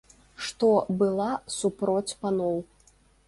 Што была супроць паноў.